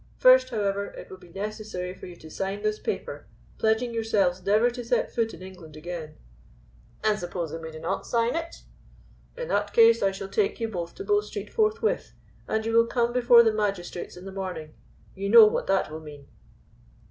First, however, it will be necessary for you to sign this paper, pledging yourselves never to set foot in England again." "And supposing we do not sign it?" "In that case I shall take you both to Bow Street forthwith, and you will come before the magistrates in the morning. You know what that will mean."